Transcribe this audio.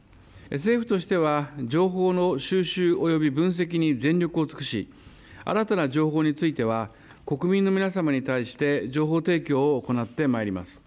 政府としては情報の収集および分析に全力を尽くし、新たな情報については国民の皆様に対して情報提供を行ってまいります。